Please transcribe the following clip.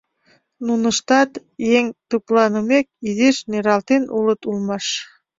Нуныштат, еҥ тыпланымек, изиш нералтен улыт улмаш.